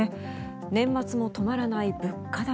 年末も止まらない物価高。